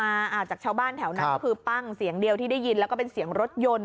อ่าจากชาวบ้านแถวนั้นก็คือปั้งเสียงเดียวที่ได้ยินแล้วก็เป็นเสียงรถยนต์